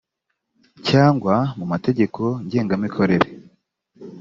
cyangwa mu mategeko ngengamikorere